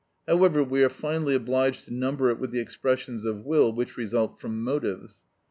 However, we are finally obliged to number it with the expressions of will which result from motives.